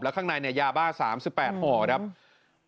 และข้างในเนี่ยยาบ้า๓๘ห่อ